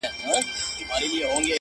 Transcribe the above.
o جولا سوی لا نه ئې، بيا نېچې غلا کوې.